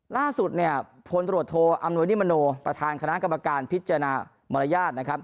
ล่าสุดเนี่ยพลตรวจโทอำนวยนิมโนประธานคณะกรรมการพิจารณามารยาทนะครับ